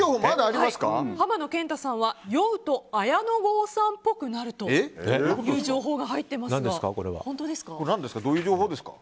浜野謙太さんは酔うと綾野剛さんぽくなるという情報が入っていますが本当ですか。